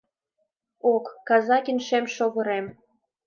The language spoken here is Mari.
Ок, казакин, шем шовырем